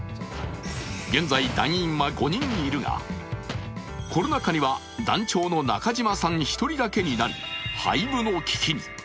現在、団員は５人いるがコロナ禍には団長の中島さん１人だけになり廃部の危機に。